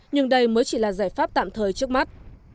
nhưng đây mới chỉ là giải pháp tạm thời trước mắt